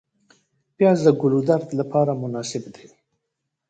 پیاز د ګلودرد لپاره مناسب دی